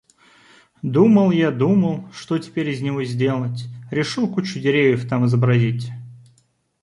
Думал я, думал, что теперь из него сделать, решил кучу деревьев там изобразить...